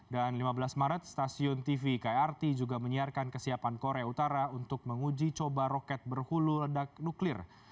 dan lima belas maret stasiun tv krt juga menyiarkan kesiapan korea utara untuk menguji coba roket berhulu ledak nuklir